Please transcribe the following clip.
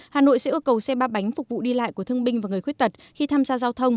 hà nội sẽ yêu cầu xe ba bánh phục vụ đi lại của thương binh và người khuyết tật khi tham gia giao thông